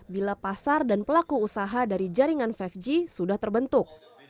bila pasar dan pelaku usaha dari jaringan lima g sudah terbentuk